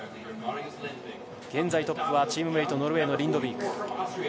現在トップはチームメイト、リンドビーク。